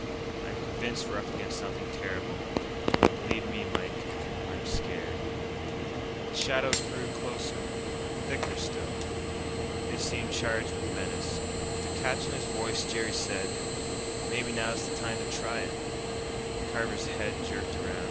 "I'm convinced we're up against something terrible. And believe me, Mike, I'm scared." The shadows drew closer, thicker still. They seemed charged with menace. With a catch in his voice, Jerry said, "Maybe now's the time to try it." Carver's head jerked around.